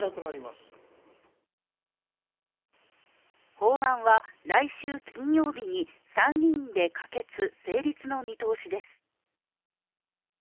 法案は、来週金曜日に参議院で可決・成立の見通しです。